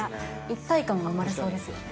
一体感が生まれそうですよね。